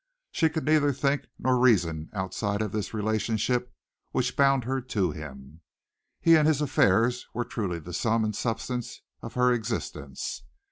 She could neither think nor reason outside of this relationship which bound her to him. He and his affairs were truly the sum and substance of her existence.